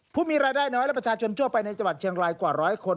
ผู้มีรายได้น้อยและประชาชนทั่วไปในจังหวัดเชียงรายกว่าร้อยคน